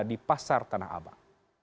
di pasar tanah abang